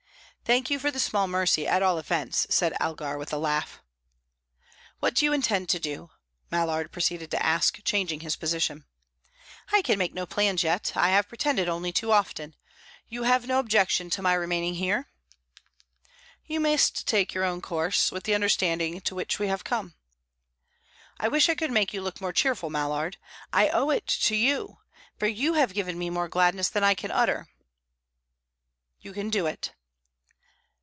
"Thank you for the small mercy, at all events," said Elgar, with a laugh. "What do you intend to do?" Mallard proceeded to ask, changing his position. "I can make no plans yet. I have pretended to only too often. You have no objection to my remaining here?" "You must take your own course with the understanding to which we have come." "I wish I could make you look more cheerful, Mallard. I owe it to you, for you have given me more gladness than I can utter." "You can do it."